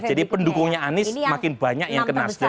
jadi pendukungnya anies makin banyak yang ke nasdem